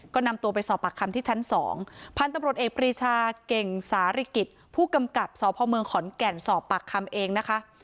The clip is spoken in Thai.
ก็นำตัวไปสอบปากคำที่ชั้นสองพันธุ์ตำรวจเอกปรีชาเก่งสาริกิจผู้กำกับสพเมืองขอนแก่นสอบปากคำเองนะคะ